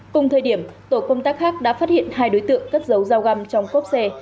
cùng thời điểm tổ công tác khác đã phát hiện hai đối tượng cất dấu giao găm trong cốp xe